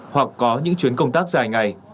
hoặc có những chuyến công tác dài ngày